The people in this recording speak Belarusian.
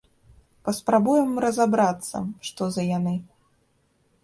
Паспрабуем разабрацца, што за яны.